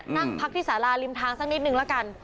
นั่งพักที่สาราริมทางสักนิดนึงละกัน